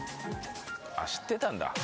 あっ知ってたんだ